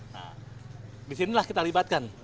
nah di sinilah kita libatkan